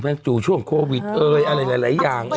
มันเหมือนโควิดอะไรหลายต่างอย่าง